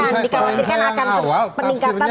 dikhawatirkan akan peningkatan